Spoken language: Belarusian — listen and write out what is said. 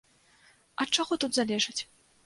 Ад чаго тут залежыць?